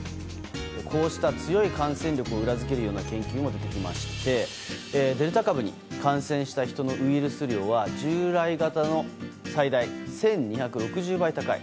こうした強い感染力を裏付けるような研究も出てきまして、デルタ株に感染した人のウイルス量は従来型の最大１２６０倍高い。